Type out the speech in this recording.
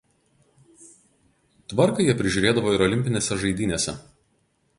Tvarką jie prižiūrėdavo ir olimpinėse žaidynėse.